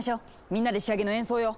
みんなで仕上げの演奏よ！